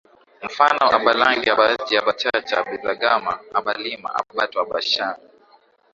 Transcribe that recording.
Mfano abalagane abajiji abachaba abazigaba abalima abatwa abashing